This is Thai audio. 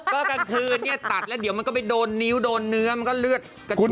ก็กลางคืนเนี่ยตัดแล้วเดี๋ยวมันก็ไปโดนนิ้วโดนเนื้อมันก็เลือดกระจาย